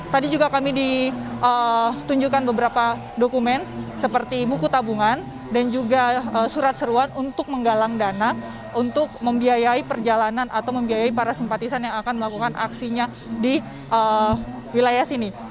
tadi juga kami ditunjukkan beberapa dokumen seperti buku tabungan dan juga surat seruan untuk menggalang dana untuk membiayai perjalanan atau membiayai para simpatisan yang akan melakukan aksinya di wilayah sini